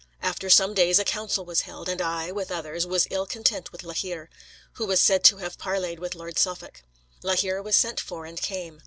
After some days a council was held, and I, with others, was ill content with La Hire, who was said to have parleyed with Lord Suffolk. La Hire was sent for, and came.